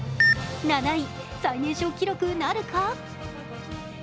７位、最年少記録なるか。